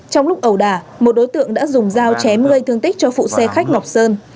trong lúc ẩu đà một đối tượng đã dùng dao chém gây thương tích cho phụ xe khách ngọc sơn